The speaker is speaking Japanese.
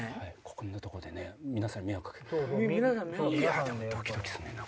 こんなとこでね皆さんに迷惑かける。